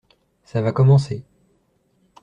Ça va commencer.